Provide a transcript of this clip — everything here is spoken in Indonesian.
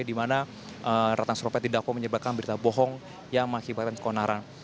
di mana ratang sarumpait tidak menyebarkan berita bohong yang mengakibatkan sekonaran